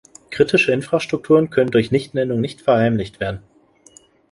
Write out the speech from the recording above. Kritische Infrastrukturen können durch Nichtnennung nicht verheimlicht werden.